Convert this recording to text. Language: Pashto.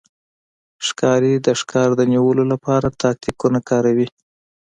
ښکاري د ښکار د نیولو لپاره تاکتیکونه کاروي.